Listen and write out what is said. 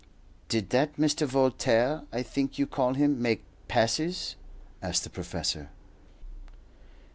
"Did that Mr. Voltaire, I think you call him, make passes?" asked the professor.